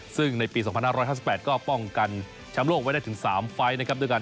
ซึ่งในปี๒๕๕๘ก็ป้องกันแชมป์โลกไว้ได้ถึง๓ไฟล์นะครับด้วยกัน